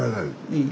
いい？